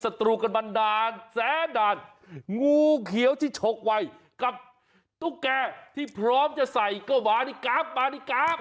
ตรูกันบันดาลแสนด่านงูเขียวที่ฉกไว้กับตุ๊กแกที่พร้อมจะใส่ก็มาดีกราฟมาดีกราฟ